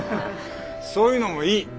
そういうのもいい。